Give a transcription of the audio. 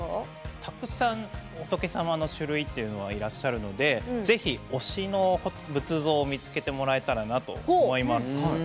たくさん仏様の種類っていうのはいらっしゃるのでぜひ推しの仏像を見つけてもらえたらなと思います。